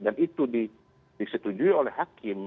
dan itu disetujui oleh hakim